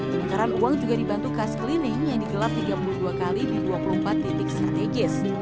penukaran uang juga dibantu kas cleaning yang digelar tiga puluh dua kali di dua puluh empat titik strategis